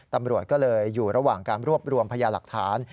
ตำรวจก็เลยอยู่ระหว่างการรวบรวมพยาหลักฐาน